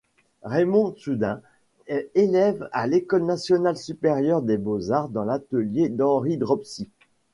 Raymond Tschudin est élève à l'École nationale supérieure des beaux-arts dans l'atelier d'Henri Dropsy.